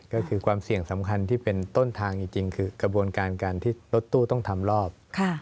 ก็คือความเสี่ยงสำคัญที่เป็นต้นทางจริงคือกระบวนการการที่รถตู้ต้องทำรอบ